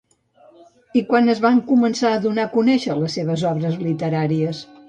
I quan és que va començar a donar a conèixer les seves obres literàries?